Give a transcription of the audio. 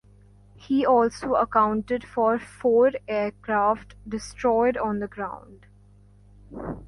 He also accounted for four aircraft destroyed on the ground.